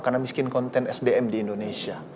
karena miskin konten sdm di indonesia